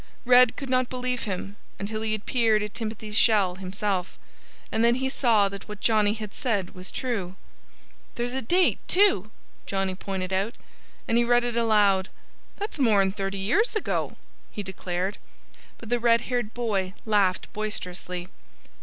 Red could not believe him, until he had peered at Timothy's shell himself. And then he saw that what Johnnie had said was true. "There's a date, too," Johnnie pointed out. And he read it aloud. "That's more'n thirty years ago," he declared. But the red haired boy laughed boisterously.